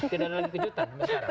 tidak ada lagi kejutan